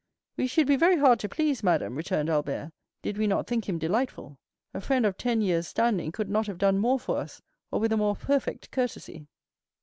"We should be very hard to please, madam," returned Albert, "did we not think him delightful. A friend of ten years' standing could not have done more for us, or with a more perfect courtesy."